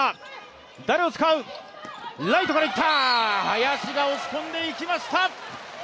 林が押し込んでいきました。